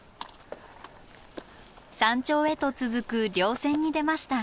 山頂へと続く稜線に出ました。